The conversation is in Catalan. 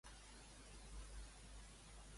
Mostrar quin és l'idioma oficial de Belize.